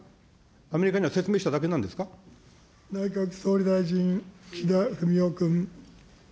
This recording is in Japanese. アメリカには説明しただけなんで内閣総理大臣、岸田文雄君。